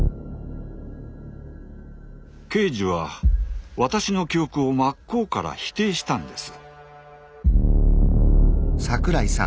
刑事は私の記憶を真っ向から否定したんです。